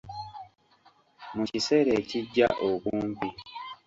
Mu kiseera ekijja okumpi.